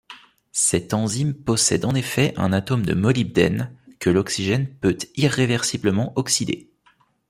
Cette enzyme possède en effet un atome de molybdène que l'oxygène peut irréversiblement oxyder.